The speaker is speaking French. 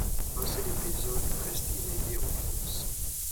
Un seul épisode reste inédit en France.